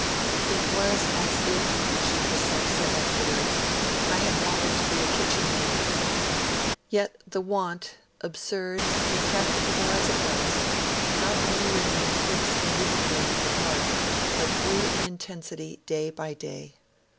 'It was as if,' she herself said afterwards, 'I had wanted to be a kitchen maid.' Yet the want, absurd and impracticable as it was, not only remained fixed immovably in her heart, but grew in intensity day by day.